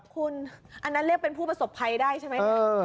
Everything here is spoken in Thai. คุณอันนั้นเรียกเป็นผู้ประสบภัยได้ใช่ไหม